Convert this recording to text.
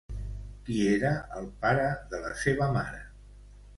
Qui era el pare de la seva mare?